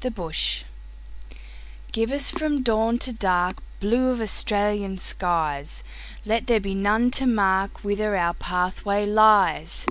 The Bush GIVE us from dawn to darkBlue of Australian skies, Let there be none to markWhither our pathway lies.